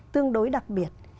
tương đối đặc biệt